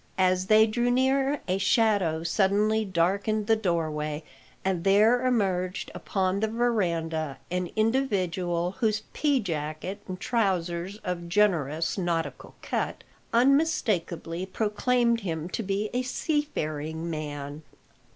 As they drew near a shadow suddenly darkened the doorway, and there emerged upon the verandah an individual whose pea jacket and trousers of generous nautical cut unmistakably proclaimed him to be a seafaring man.